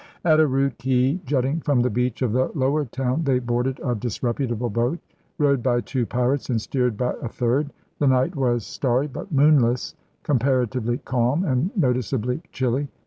At a rude quay jutting from the beach of the lower town they boarded a disreputable boat, rowed by two pirates and steered by a third. The night was starry but moonless, comparatively calm, and noticeably chilly.